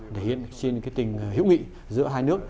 thể hiện trên tình hữu nghị giữa hai nước